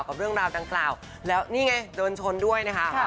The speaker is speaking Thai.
กับเรื่องราวดังกล่าวแล้วนี่ไงโดนชนด้วยนะคะ